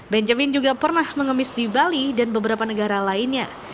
benjamin juga pernah mengemis di bali dan beberapa negara lainnya